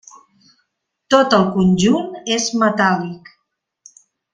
Tot el conjunt és metàl·lic.